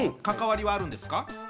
関わりはあるんですか？